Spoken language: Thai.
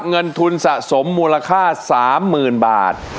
เงินทุนสะสมมูลค่า๓๐๐๐บาท